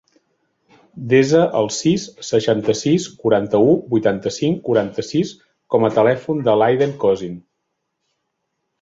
Desa el sis, seixanta-sis, quaranta-u, vuitanta-cinc, quaranta-sis com a telèfon de l'Aiden Cosin.